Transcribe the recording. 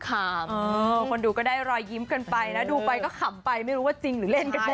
คนดูก็ได้รอยยิ้มกันไปแล้วดูไปก็ขำไปไม่รู้ว่าจริงหรือเล่นกันแน